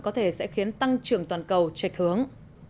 có thể sẽ khiến tăng trưởng toàn cầu trạch hướng